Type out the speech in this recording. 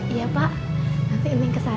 iya pak nanti mending ke sana